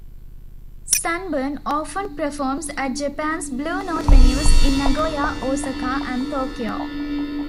Sanborn often performs at Japan's Blue Note venues in Nagoya, Osaka, and Tokyo.